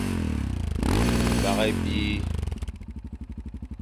Fakh ébi.